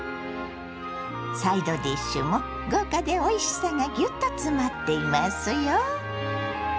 サイドディッシュも豪華でおいしさがギュッと詰まっていますよ。